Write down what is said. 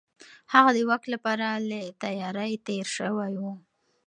هغه د واک لپاره له تيارۍ تېر شوی و.